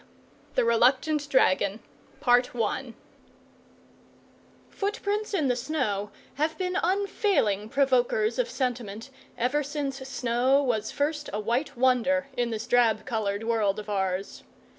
THE RELUCTANT DRAGON Footprints in the snow have been unfailing provokers of sentiment ever since snow was first a white wonder in this drab coloured world of ours.